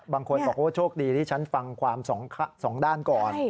บางคนบอกว่าโชคดีที่ฉันฟังความสองด้านก่อน